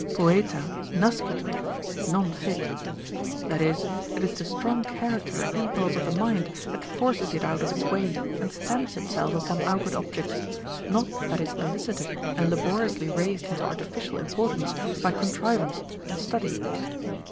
Poeta nascitur, nonfit ; that is, it is the strong character and inrpulse of the mind that force^ it out of its way and stamps itself upon out ward objects, not that is elicited and laboriously raised into artificial importance by contrivance and study.